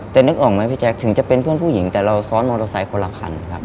แต่นึกออกไหมพี่แจ๊คถึงจะเป็นเพื่อนผู้หญิงแต่เราซ้อนมอเตอร์ไซค์คนละคันครับ